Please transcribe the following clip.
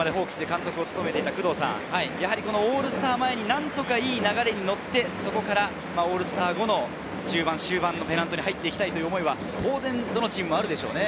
工藤さん、オールスター前に何とかいい流れに乗って、そこからオールスター後の中盤、終盤のペナントに入っていきたいという思いは当然どのチームもありますよね。